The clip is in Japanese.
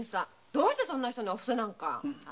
どうしてそんな人にお布施なんか？